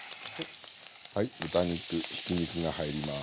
はい豚肉ひき肉が入ります。